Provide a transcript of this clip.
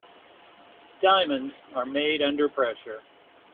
Diamonds are made under pressure.